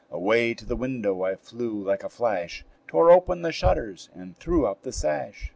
Away to the window I flew like a flash, Tore open the shutters and threw up the sash.